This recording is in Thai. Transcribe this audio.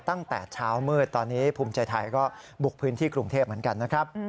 ตั้งแต่เช้ามืดตอนนี้ภูมิใจไทยก็บุกพื้นที่กรุงเทพเหมือนกันนะครับ